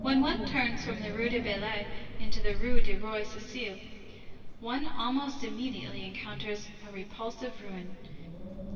When one turns from the Rue des Ballets into the Rue du Roi de Sicile, one almost immediately encounters a repulsive ruin.